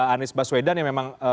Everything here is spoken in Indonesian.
anies baswedan yang memang